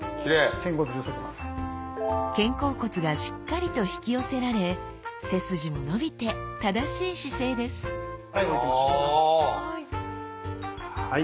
肩甲骨がしっかりと引き寄せられ背筋も伸びて正しい姿勢ですはい。